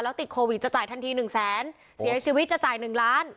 ติดโควิดจะจ่ายทันทีหนึ่งแสนเสียชีวิตจะจ่ายหนึ่งล้าน